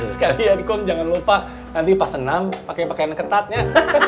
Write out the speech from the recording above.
sekalian kom jangan lupa nanti pas senang pakai pakaian ketatnya